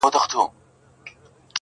کله ټال کي د خیالونو زنګېدلای-